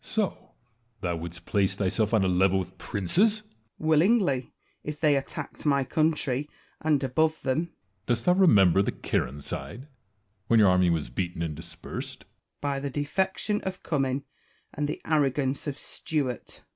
Edward. So, thou wouldst place thyself on a level with princes ! Wallace. Willingly, if they attacked my country ; and above them. Edward. Dost thou remember the Carron side, when your army was beaten and dispersed '? Wallace. By the defection of Cummin and the arrogance of Stuart.